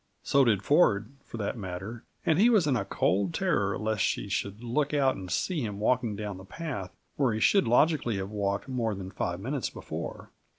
So did Ford, for that matter, and he was in a cold terror lest she should look out and see him walking down the path where he should logically have walked more than five minutes before.